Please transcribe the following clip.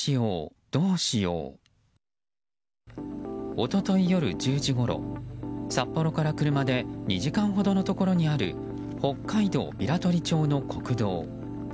一昨日夜１０時ごろ、札幌から車で２時間ほどのところにある北海道平取町の国道。